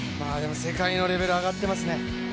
世界のレベル、上がってますね。